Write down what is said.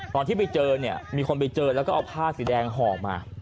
ตอนที่ไปเจอเนี่ยมีคนไปเจอแล้วก็เอาผ้าสีแดงห่อมา